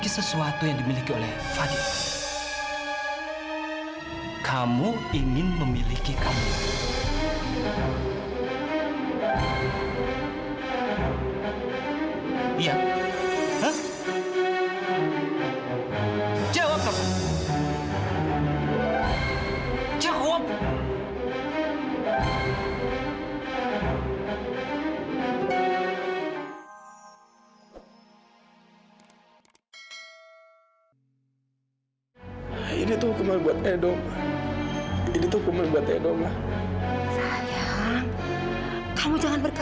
sampai jumpa di video selanjutnya